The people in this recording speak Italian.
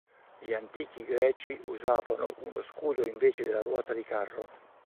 Gli antichi greci usavano uno scudo invece della ruota di carro.